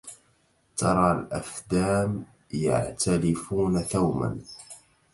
ترى الأفدام يعتلفون ثوما